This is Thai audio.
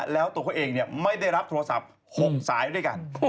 แล้วตัวเขาเองไม่ได้รับโทรศัพท์๖สายด้วยกัน